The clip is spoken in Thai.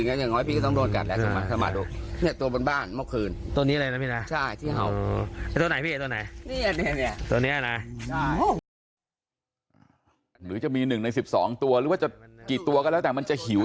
ไหนตัวนี้จะมีหนึ่งใน๑๒ตัวรู้ว่าจะกี่ตัวกันแล้วแต่มันจะหิว